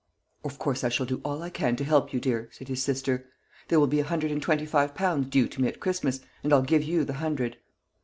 "Of course I shall do all I can to help you, dear," said his sister. "There will be a hundred and twenty five pounds due to me at Christmas, and I'll give you the hundred."